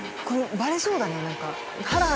こればれそうだね何か。